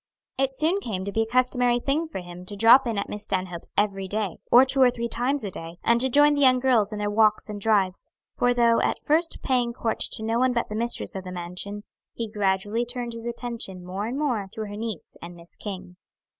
It soon came to be a customary thing for him to drop in at Miss Stanhope's every day, or two or three times a day, and to join the young girls in their walks and drives, for, though at first paying court to no one but the mistress of the mansion, he gradually turned his attention more and more to her niece and Miss King.